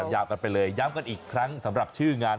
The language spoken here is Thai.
ยาวกันไปเลยย้ำกันอีกครั้งสำหรับชื่องาน